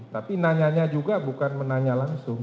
tapi nanyanya juga bukan menanya langsung